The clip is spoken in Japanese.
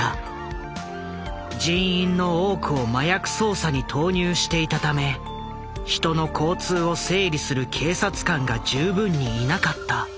人員の多くを麻薬捜査に投入していたため人の交通を整理する警察官が十分にいなかった。